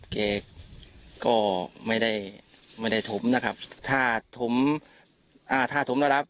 แกก็ไม่ได้ไม่ได้ถมนะครับถ้าถมอ่าถ้าถมแล้วรับ